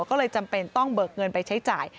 ก็เลยจำเป็นต้องเบิกเงินไปใช้จ่าย